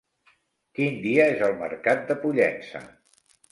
Quin dia és el mercat de Pollença?